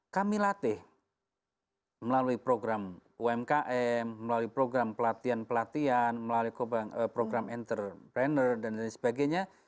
kami latih melalui program umkm melalui program pelatihan pelatihan melalui program entrepreneur dan lain sebagainya